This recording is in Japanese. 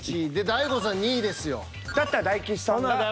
大悟さん２位ですよ。だったら大吉さんが。